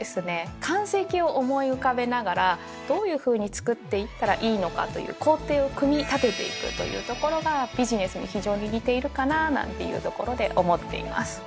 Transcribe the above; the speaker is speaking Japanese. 完成形を思い浮かべながらどういうふうに作っていったらいいのかという工程を組み立てていくというところがビジネスに非常に似ているかななんていうところで思っています。